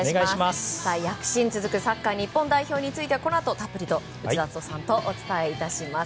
躍進続くサッカー日本代表についてはこのあと、たっぷりと内田篤人さんとお伝えします。